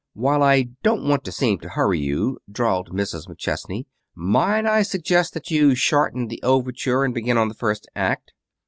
"While I don't want to seem to hurry you," drawled Mrs. McChesney, "might I suggest that you shorten the overture and begin on the first act?"